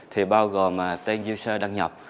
thì bao gồm tên user đăng nhập